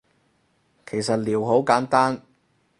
其實撩好簡單